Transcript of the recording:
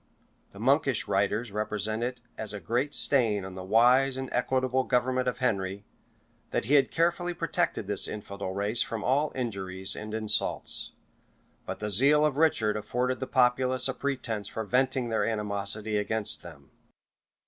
The monkish writers represent it as a great stain on the wise and equitable government of Henry, that he had carefully protected this infidel race from all injuries and insults; but the zeal of Richard afforded the populace a pretence for venting their animosity against them.